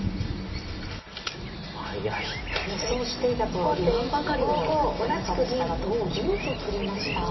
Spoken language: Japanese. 予想していたと言わんばかりの早さでしたが同銀と取りました。